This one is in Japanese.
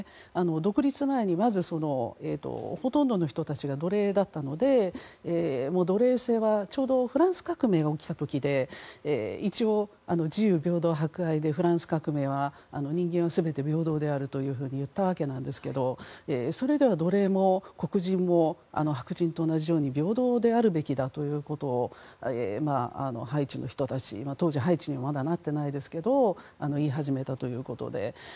独立前にまず、ほとんどの人たちが奴隷だったので奴隷制は、ちょうどフランス革命が起きた時で一応、自由平等博愛でフランス革命は人間は全て平等であると言ったわけなんですがそれでは、奴隷も黒人も白人と同じように平等であるべきだということをハイチの人たち当時は、まだハイチにはなっていないんですけど言い始めたということで。